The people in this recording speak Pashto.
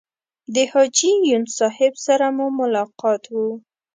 د حاجي یون صاحب سره مو ملاقات و.